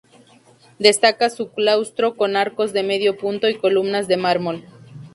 Destaca su claustro con arcos de medio punto y columnas de mármol.